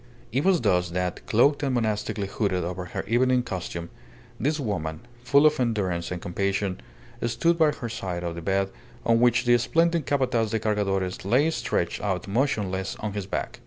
It was thus that, cloaked and monastically hooded over her evening costume, this woman, full of endurance and compassion, stood by the side of the bed on which the splendid Capataz de Cargadores lay stretched out motionless on his back.